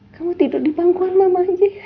kamu tidur di pangkuan mama aja